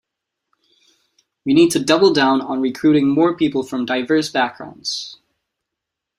We need to double-down on recruiting more people from diverse backgrounds.